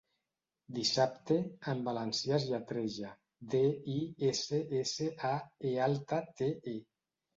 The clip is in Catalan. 'Dissabte' en valencià es lletreja: de, i, esse, esse, a, be alta, te, e.